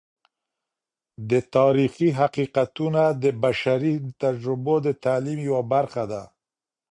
د تاریخی حقیقتونه د بشري تجربو د تعلیم یوه برخه ده.